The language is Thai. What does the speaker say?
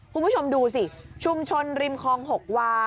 คุณผู้ชมดูสิชุมชนริมคลอง๖วา